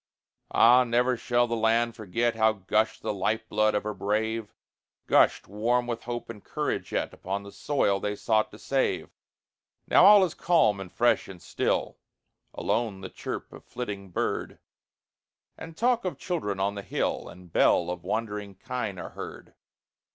Ah! never shall the land forget How gushed the life blood of her brave Gushed, warm with hope and courage yet, Upon the soil they sought to save. Now all is calm, and fresh, and still; Alone the chirp of flitting bird, And talk of children on the hill, And bell of wandering kine are heard.